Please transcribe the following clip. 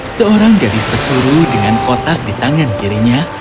seorang gadis pesuru dengan kotak di tangan kirinya